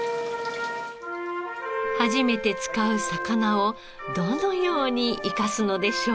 初めて使う魚をどのように生かすのでしょう？